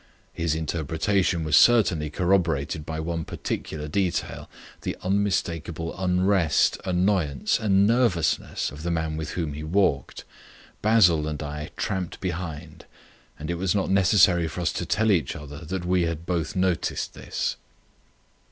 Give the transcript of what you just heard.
His interpretation was certainly corroborated by one particular detail, the unmistakable unrest, annoyance, and nervousness of the man with whom he walked. Basil and I tramped behind, and it was not necessary for us to tell each other that we had both noticed this.